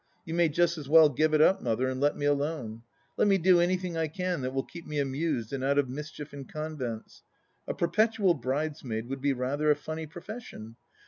You may just as well give it up, Mother, and let me alone. Let me do anjrthing I can that will keep me amused and out of mischief and convents. ... A Per petual Bridesmaid would be rather a funny profession.